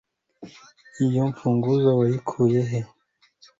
Iyo mfunguzo wakuye he?